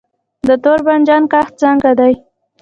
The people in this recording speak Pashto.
د تور بانجان کښت څنګه دی؟